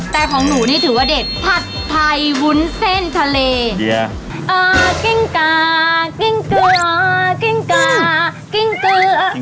แต่ของหนูนี่ถือว่าเด็ดผัดไพรวุ้นเส้นทะเล